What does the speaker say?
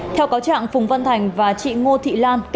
theo cáo trạng phùng văn thành và chị ngô thị lan